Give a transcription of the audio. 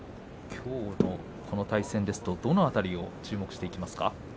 きょうのこの対戦ですとどの辺りを注目しますか。